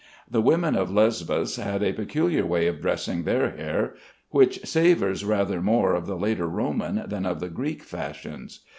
The women of Lesbos had a peculiar way of dressing their hair, which savors rather more of the later Roman than of the Greek fashions.